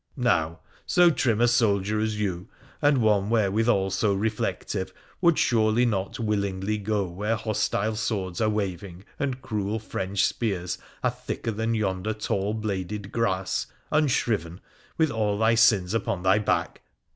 ]' Now, so trim a soldier as you, and one wherewithal so reflective, would surely not willingly go where hostile swords are waving and cruel French spears are thicker than yonder tall bladed grass, unshriven — with all thy sins upon thy back